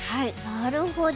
なるほど。